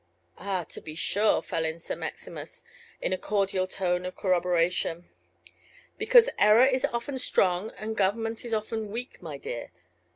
"Ah, to be sure," fell in Sir Maximus, in a cordial tone of corroboration. "Because error is often strong, and government is often weak, my dear.